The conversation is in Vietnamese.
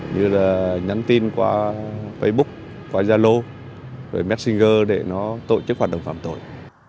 như là nhắn tin qua facebook qua gia lô rồi messenger để nó tổ chức hoạt động phạm tội